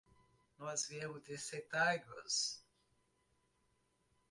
Nós viemos de Setaigües.